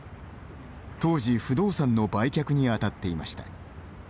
当時、不動産の売却に当たっていました。